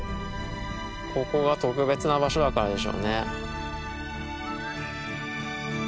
ここが特別な場所だからでしょうね。